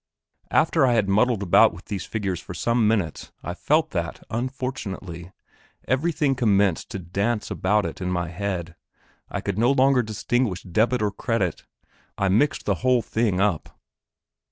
After I had muddled about with these figures for some minutes I felt that, unfortunately, everything commenced to dance about in my head; I could no longer distinguish debit or credit; I mixed the whole thing up.